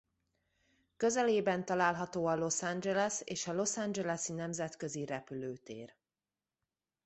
Közelében található a Los Angeles és a Los Angeles-i nemzetközi repülőtér.